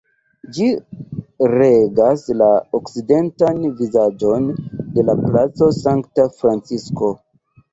Ĝi regas la okcidentan vizaĝon de la Placo Sankta Francisko.